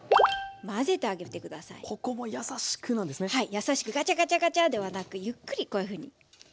やさしくガチャガチャガチャではなくゆっくりこういうふうに。